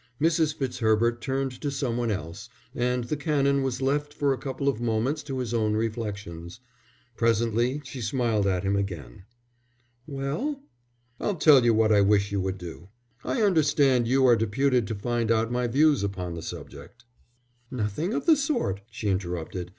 Mrs. Fitzherbert turned to somebody else, and the Canon was left for a couple of moments to his own reflections. Presently she smiled at him again. "Well?" "I'll tell you what I wish you would do. I understand you are deputed to find out my views upon the subject." "Nothing of the sort," she interrupted.